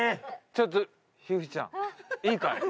ちょっと樋口ちゃんいいかい？